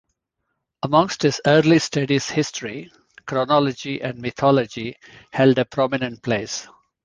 Amongst his early studies history, chronology and mythology held a prominent place.